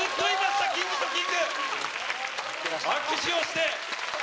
握手をして。